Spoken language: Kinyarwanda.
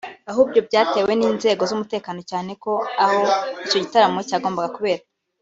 ahubwo byatewe n’inzego z’umutekano cyane ko aho icyo gitaramo cyagombaga kubera